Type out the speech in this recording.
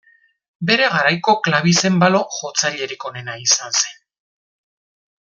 Bere garaiko klabizenbalo-jotzailerik onena izan zen.